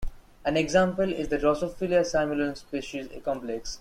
An example is the "Drosophila simulans" species complex.